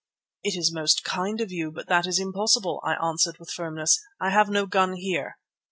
"It is most kind of you, but that is impossible," I answered with firmness. "I have no gun here."